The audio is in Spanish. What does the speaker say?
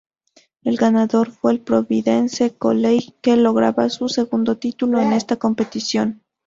El ganador fue el Providence College, que lograba su segundo título en esta competición.